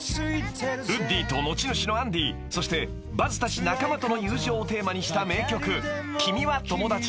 ［ウッディと持ち主のアンディそしてバズたち仲間との友情をテーマにした名曲『君はともだち』］